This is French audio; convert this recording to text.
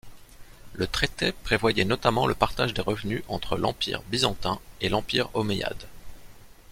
Le traité prévoyait notamment le partage des revenus entre l'Empire byzantin et l'Empire omeyyade.